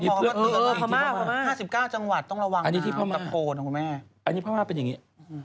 พระม่าอันนี้ที่พระม่าอันนี้พระม่าเป็นอย่างนี้